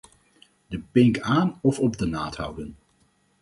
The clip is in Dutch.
De pink aan of op de naad houden.